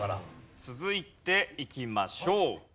続いていきましょう。